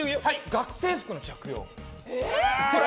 学生服の着用。